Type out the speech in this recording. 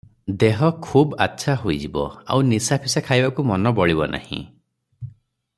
ଦେହ ଖୁବ୍ ଆଚ୍ଛା ହୋଇଯିବ, ଆଉ ନିଶାଫିସା ଖାଇବାକୁ ମନ ବଳିବ ନାହିଁ ।